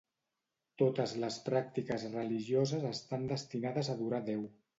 Totes les pràctiques religioses estan destinades a adorar Déu.